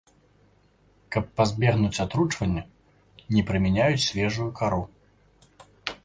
Каб пазбегнуць атручванняў, не прымяняюць свежую кару.